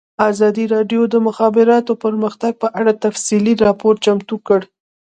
ازادي راډیو د د مخابراتو پرمختګ په اړه تفصیلي راپور چمتو کړی.